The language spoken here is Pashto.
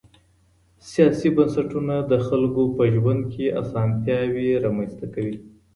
سياسي بنسټونه د خلګو په ژوند کي اسانتياوې رامنځته کوي.